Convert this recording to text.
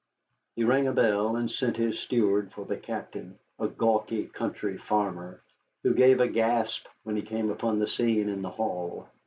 He rang a bell and sent his steward for the captain, a gawky country farmer, who gave a gasp when he came upon the scene in the hall.